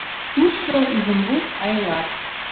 Тушшо — изумруд, айлат.